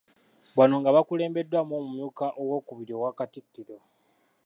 Bano nga bakulembeddwamu Omumyuka owookubiri owa Katikkiro.